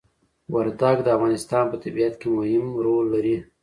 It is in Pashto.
وردګ د افغانستان په طبيعت کي مهم ړول لري